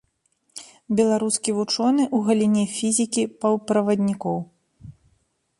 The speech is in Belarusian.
Беларускі вучоны ў галіне фізікі паўправаднікоў.